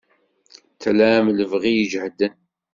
Tlam lebɣi ijehden.